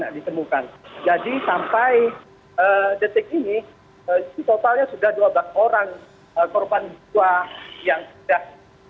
jadi sampai detik ini totalnya sudah dua belas orang korban jiwa yang sudah